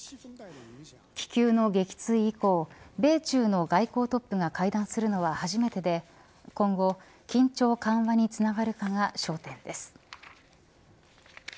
気球の撃墜以降米中の外交トップが会談するのは初めてで今後、緊張緩和につながるかが焦点です。